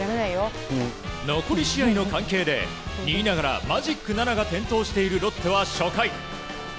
残り試合の関係で２位ながらマジック７が点灯しているロッテは初回。